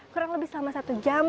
kurang lebih selama satu jam